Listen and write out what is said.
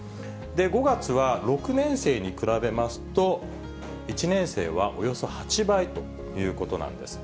５月は６年生に比べますと、１年生はおよそ８倍ということなんです。